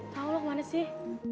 tau lo kemana sih